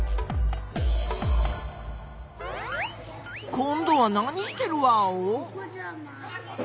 こんどは何してるワオ？